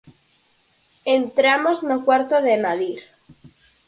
Entramos no cuarto de Nadir.